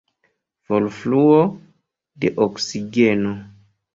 Forfluo de oksigeno.